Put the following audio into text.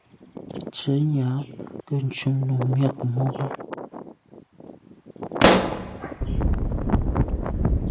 Ntsenyà nke ntum num miag mube.